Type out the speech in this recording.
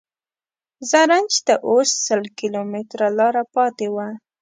زرنج ته اوس سل کیلومتره لاره پاتې وه.